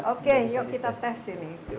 oke yuk kita tes ini